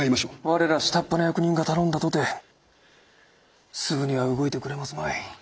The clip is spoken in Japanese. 我ら下っ端の役人が頼んだとてすぐには動いてくれますまい。